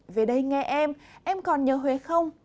về đây nghe em em còn nhớ huế không